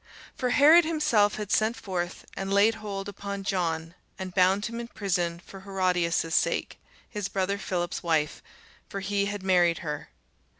For Herod himself had sent forth and laid hold upon John, and bound him in prison for Herodias' sake, his brother Philip's wife: for he had married her.